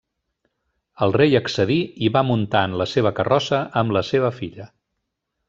El rei accedí i va muntar en la seva carrossa amb la seva filla.